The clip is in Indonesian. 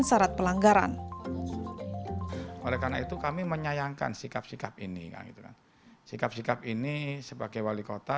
syarat pelanggaran oleh karena itu kami menyayangkan sikap sikap ini sikap sikap ini sebagai wali kota